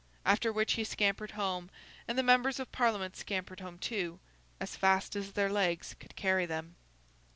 After which he scampered home, and the members of Parliament scampered home too, as fast as their legs could carry them.